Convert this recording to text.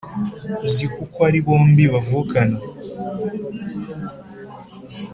uziko uko ari bombi bavukana